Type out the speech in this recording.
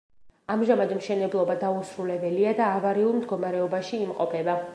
ამჟამად მშენებლობა დაუსრულებელია და ავარიულ მდგომარეობაში იმყოფება.